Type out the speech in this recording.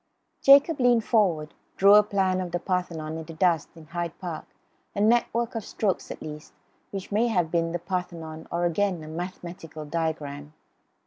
Jacob, leaning forward, drew a plan of the Parthenon in the dust in Hyde Park, a network of strokes at least, which may have been the Parthenon, or again a mathematical diagram.